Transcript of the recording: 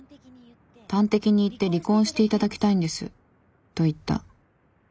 「端的に言って離婚していただきたいんです」と言った。